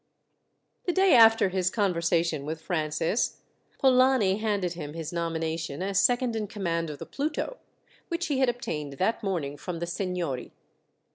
The day after his conversation with Francis, Polani handed him his nomination as second in command of the Pluto, which he had obtained that morning from the seignory.